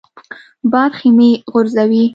باد خیمې غورځوي